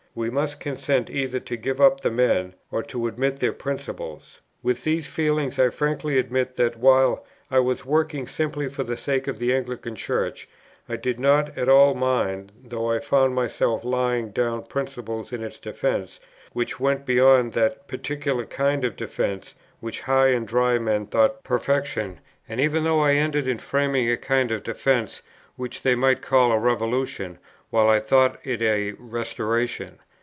We must consent either to give up the men, or to admit their principles." With these feelings I frankly admit, that, while I was working simply for the sake of the Anglican Church, I did not at all mind, though I found myself laying down principles in its defence, which went beyond that particular kind of defence which high and dry men thought perfection, and even though I ended in framing a kind of defence, which they might call a revolution, while I thought it a restoration.